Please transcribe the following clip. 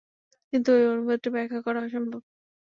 কিন্তু এই অনুভূতিটা ব্যাখ্যা করা অসম্ভব।